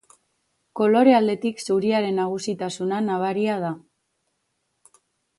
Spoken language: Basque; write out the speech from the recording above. Kolore aldetik zuriaren nagusitasuna nabaria da.